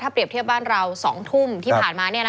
เปรียบเทียบบ้านเรา๒ทุ่มที่ผ่านมา